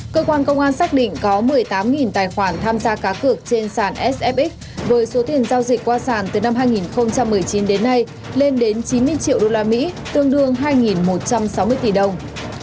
cơ quan công an xác định có một mươi tám tài khoản tham gia cá cược trên sàn sf với số tiền giao dịch qua sản từ năm hai nghìn một mươi chín đến nay lên đến chín mươi triệu usd tương đương hai một trăm sáu mươi tỷ đồng